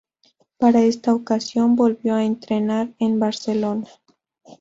Para esta ocasión volvió a entrenar en Barcelona.